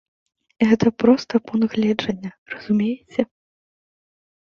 Гэта проста пункт гледжання, разумееце.